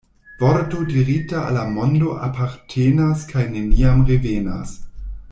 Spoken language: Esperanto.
Vorto dirita al la mondo apartenas kaj neniam revenas.